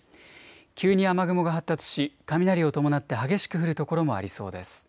急に雨雲が発達し雷を伴って激しく降る所もありそうです。